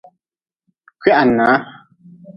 Kwihana.